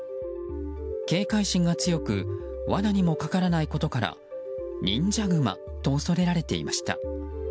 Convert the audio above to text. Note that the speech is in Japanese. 警戒心が強く罠にもかからないことから忍者グマと恐れられていました。